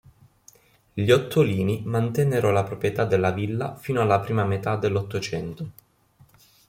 Gli Ottolini mantennero la proprietà della villa fino alla prima metà dell'Ottocento.